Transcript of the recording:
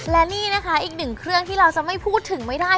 และนี่นะคะอีกหนึ่งเครื่องที่เราจะไม่พูดถึงไม่ได้